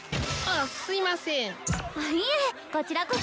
あっいえこちらこそ。